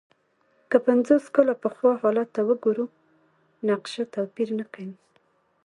که پنځوس کاله پخوا حالت ته وګورو، نقشه توپیر نه کوي.